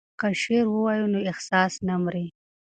که شعر ووایو نو احساس نه مري.